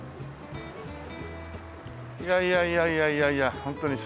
いやいやいやいやいやいやホントに素晴らしい。